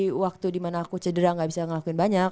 waktu dimana aku cedera gak bisa ngelakuin banyak